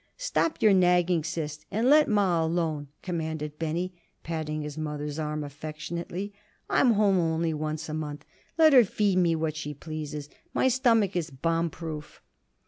"Stop your nagging, Sis, and let ma alone," commanded Benny, patting his mother's arm affectionately. "I'm home only once a month. Let her feed me what she pleases. My stomach is bomb proof."